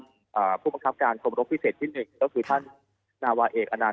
อ่าผู้มักการพิเศษที่หนึ่งก็คือท่านนาวะเอกอะนั้น